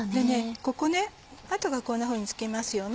ここ跡がこんなふうにつきますよね。